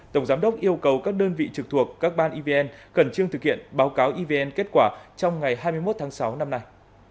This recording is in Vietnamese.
tổng giám đốc yêu cầu các đơn vị trực thuộc các ban evn khẩn trương thực hiện báo cáo evn kết quả trong ngày hai mươi một tháng sáu năm nay